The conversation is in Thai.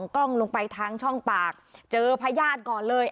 กล้องลงไปทางช่องปากเจอพญาติก่อนเลย